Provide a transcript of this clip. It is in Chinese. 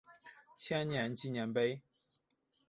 千年纪念碑。